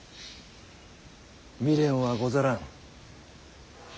未練はござらん。